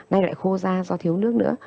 nay lại khô da do thiếu nước nữa